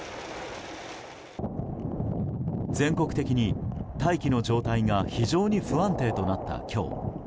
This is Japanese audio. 全国的に大気の状態が非常に不安定となった今日。